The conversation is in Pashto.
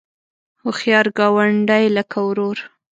هوښیار ګاونډی لکه ورور